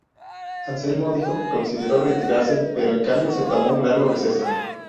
Anselmo dijo que consideró retirarse pero en cambio se tomó un largo receso.